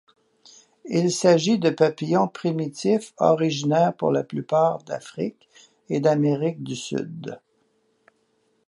Il s'agit de papillons primitifs originaires pour la plupart d'Afrique et d'Amérique du Sud.